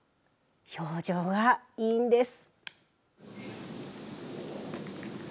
表情がいいんです。